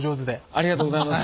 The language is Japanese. ありがとうございます。